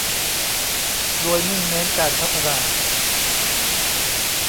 โดยมุ่งเน้นการพัฒนา